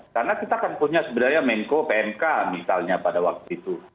karena kita kan punya sebenarnya menko pmk misalnya pada waktu itu